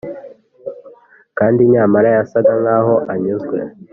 kandi nyamara yasaga nkaho anyuzwe.